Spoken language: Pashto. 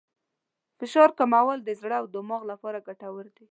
د فشار کمول د زړه او دماغ لپاره ګټور دي.